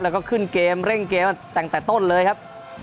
เริ่มขึ้นเกมเร่งเกมมาแต่งแต่ต้นเลยครับ